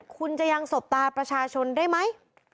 คุณจะยังสบตาประชาชนได้ไหม